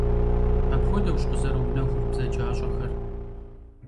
Апхуэдэущ къызэрыунэхур бзаджащӀэхэр.